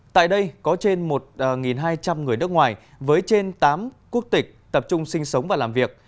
tại đây có trên một hai trăm linh người nước ngoài với trên tám quốc tịch tập trung sinh sống và làm việc